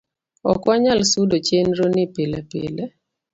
ok wanyal sudo chenro ni pile pile